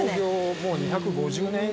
もう２５０年以上ですね。